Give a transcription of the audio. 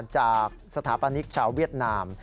จากสถาปนิกชาวเวียดนาม